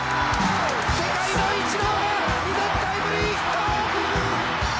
世界のイチローが２点タイムリーヒット。